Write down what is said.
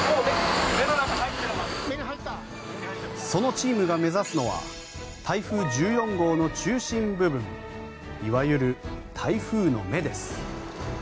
そのチームが目指すのは台風１４号の中心部分いわゆる台風の目です。